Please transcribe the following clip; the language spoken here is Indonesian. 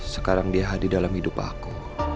sekarang dia hadir dalam hidup aku